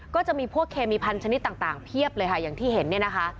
ก็จะมีพวกเคมีพันธนิดต่างเพียบเลยค่ะอย่างที่เห็นเนี่ยนะคะ